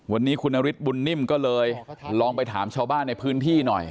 วันนี้คุณนฤทธิบุญนิ่มก็เลยลองไปถามชาวบ้านในพื้นที่หน่อย